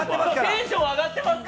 テンション上回ってます？